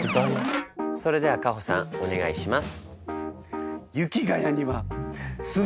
それではカホさんお願いします！